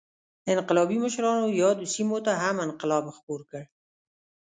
انقلابي مشرانو یادو سیمو ته هم انقلاب خپور کړ.